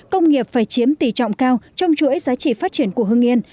công nghiệp phải chiếm tỷ trọng cao trong chuỗi giá trị phát triển của hương yên